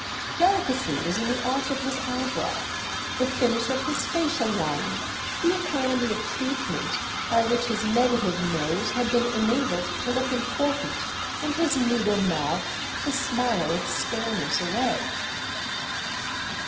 Delicacy was in the arch of his eyebrow, the finish of his facial line, the economy of "treatment" by which his negative nose had been enabled to look important and his meagre mouth to smile its spareness away.